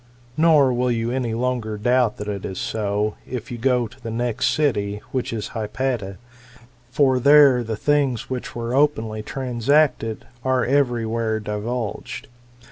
Nor will you any longer doubt that it is so, if you go to the next city, which is Hypata ;7 for there the things which were openly transacted, are every where divulged.